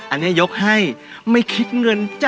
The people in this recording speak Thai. อันนี้ยกให้ไม่คิดเงินจ้ะ